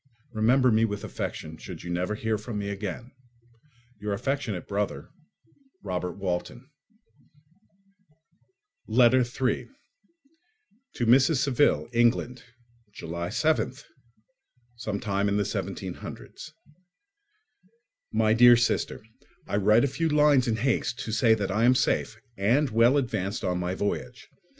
Remember me with affection, should you never hear from me again. Your affectionate brother, Robert Walton Letter 3 To Mrs. Saville, England. July 7th, 17—. My dear Sister, I write a few lines in haste to say that I am safe—and well advanced on my voyage.